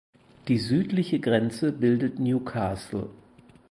Die südliche Grenze bildet New Castle.